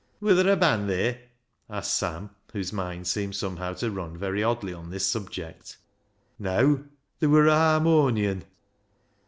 " Wur ther' a band theer ?" asked Sam, whose mind seemed somehow to run very oddly on this subject. " Neaw ; ther' wur a harmonion."